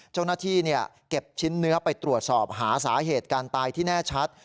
เจ้าหน้าที่เก็บชิ้นเนื้อไปตรวจสอบหาสาเหตุการตายที่แน่ชัด